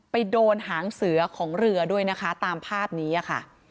ไปโดนหางเสือของเรือด้วยนะคะตามภาพนี้ค่ะ